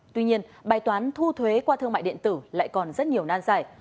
tuy nhiên bài toán thu thuế qua thương mại điện tử lại còn rất nhiều nan giải